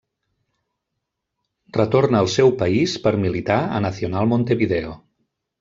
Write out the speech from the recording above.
Retorna al seu país per militar a Nacional Montevideo.